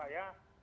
terima kasih pak